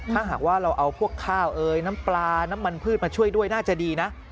ถ้าหากว่าเราเอาพวกข้าวน้ำปลาน้ำมันพืชมาช่วยด้วยน่าจะดีนะ